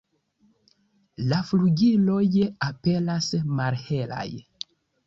La flugiloj aperas malhelaj.